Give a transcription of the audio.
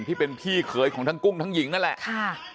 ที่เป็นพี่เขยของทั้งกุ้งทั้งหญิงนั่นแหละค่ะ